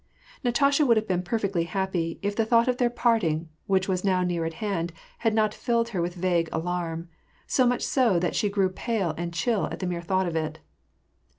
Natasha would have been perfectly happy, if the thought of their parting, which was now near at hand, had not filled her with vague sdarm t so vmch so that she grew pale and chill at the mere thought of it.